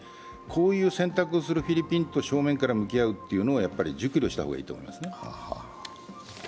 こういう選択をするフィリピンと正面から向き合うというのを熟慮した方がいいと思いますね。